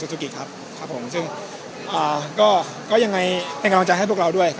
สวัสดีครับขออนุญาตถ้าใครถึงแฟนทีลักษณ์ที่เกิดอยู่แล้วค่ะ